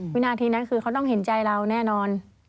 วินาทีนั้นคือเขาต้องเห็นใจเราแน่นอน